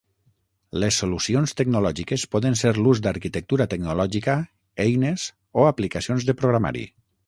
Les solucions tecnològiques poden ser l'ús d'arquitectura tecnològica, eines o aplicacions de programari.